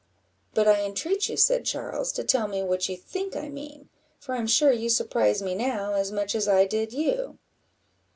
"But I entreat you," said Charles, "to tell me what you think I mean, for I am sure you surprise me now as much as I did you."